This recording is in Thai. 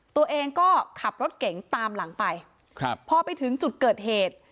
ตัวเองก็ขับรถเก๋งตามหลังไปครับพอไปถึงจุดเกิดเหตุ